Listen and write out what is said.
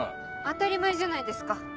当たり前じゃないですか。